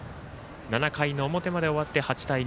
７回の表まで終わって、８対２。